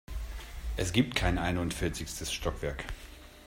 Es gibt kein einundvierzigstes Stockwerk.